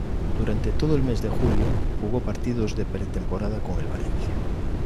Durante todo el mes de julio, jugó partidos de pretemporada con el Valencia.